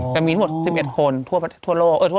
จะมีทั้งหมด๑๑คนทั่วประเทศค่ะ